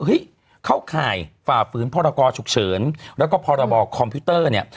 เฮ้ยเขาข่ายฝ่าฝืนพรกรฉุกเฉิน